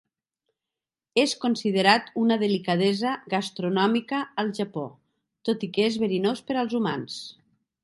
És considerat una delicadesa gastronòmica al Japó, tot i que és verinós per als humans.